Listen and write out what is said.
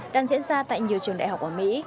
đang diễn ra tại nhiều trường đại học ở mỹ